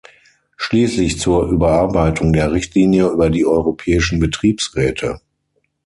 Schließlich zur Überarbeitung der Richtlinie über die europäischen Betriebsräte.